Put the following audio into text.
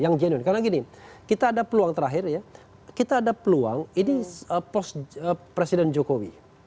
karena gini kita ada peluang terakhir ya kita ada peluang ini presiden jokowi